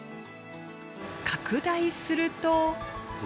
拡大すると。